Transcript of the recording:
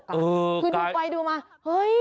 คือดูไปดูมาเฮ้ย